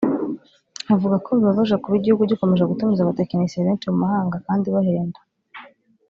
avuga ko bibabaje kuba igihugu gikomeje gutumiza abatekinisiye benshi mu mahanga kandi bahenda